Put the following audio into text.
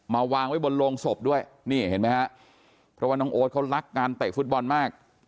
วางไว้บนโรงศพด้วยนี่เห็นไหมฮะเพราะว่าน้องโอ๊ตเขารักงานเตะฟุตบอลมาก